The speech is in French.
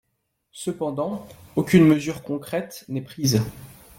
Cependant, aucune mesure concrète n’est prise.